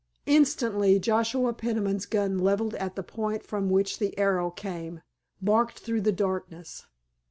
Instantly Joshua Peniman's gun, leveled at the point from which the arrow came, barked through the darkness.